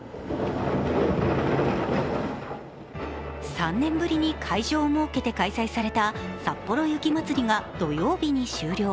３年ぶりに会場を設けて開催されたさっぽろ雪まつりが土曜日に終了。